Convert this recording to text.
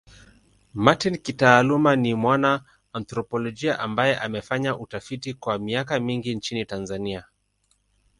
Martin kitaaluma ni mwana anthropolojia ambaye amefanya utafiti kwa miaka mingi nchini Tanzania.